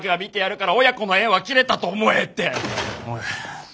おい。